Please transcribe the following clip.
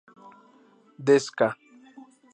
Desde "ca".